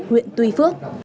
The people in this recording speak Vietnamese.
huyện tuy phước